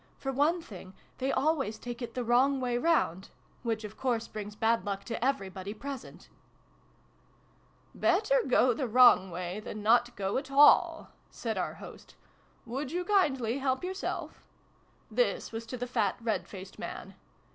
For one thing, they always take it the wrong way round which of course brings bad luck to everybody present !"" Better go the wrong way than not go at all!" said our host. "Would you kindly help yourself?" (This was to the fat red faced man.)